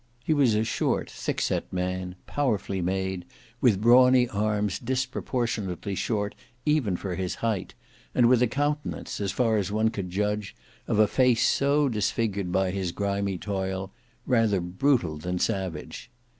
He was a short, thickset man, powerfully made, with brawny arms disproportionately short even for his height, and with a countenance, as far as one could judge of a face so disfigured by his grimy toil, rather brutal than savage.